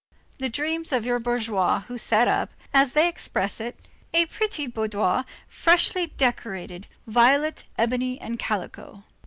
The dreams of your bourgeois who set up, as they express it: a pretty boudoir freshly decorated, violet, ebony and calico.